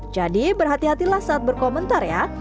jadi berhati hatilah saat berkomentar ya